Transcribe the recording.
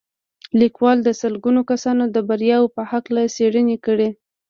ليکوال د سلګونه کسانو د برياوو په هکله څېړنې کړې.